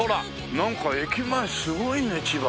なんか駅前すごいね千葉。